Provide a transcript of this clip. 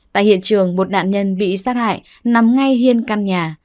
tại hiện trường một nạn nhân bị sát hại nằm ngay hiên căn nhà